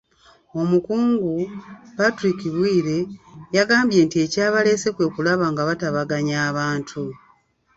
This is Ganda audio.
Omukungu, Patrick Bwire, yagambye nti ekyabaleese kwe kulaba nga batabaganya abantu.